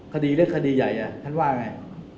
คดีเล็กคดีใหญ่ท่านว่าไง